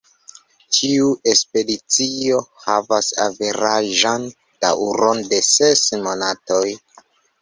Ĉiu ekspedicio havas averaĝan daŭron de ses monatoj.